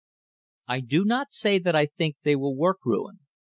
I do not say that I think they will work ruin.